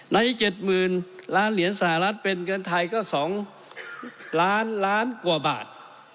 ๗๐๐๐ล้านเหรียญสหรัฐเป็นเงินไทยก็๒ล้านล้านกว่าบาท